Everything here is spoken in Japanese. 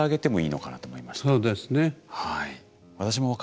はい。